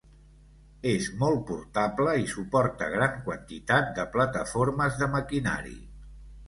És molt portable i suporta gran quantitat de plataformes de maquinari.